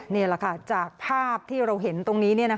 นี่แหละค่ะจากภาพที่เราเห็นตรงนี้